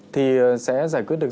thì sẽ giải quyết được